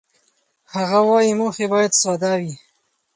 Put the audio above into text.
هغه وايي، موخې باید ساده وي.